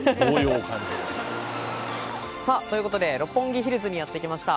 ということで六本木ヒルズにやってきました。